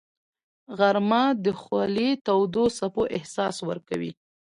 غرمه د خولې تودو څپو احساس ورکوي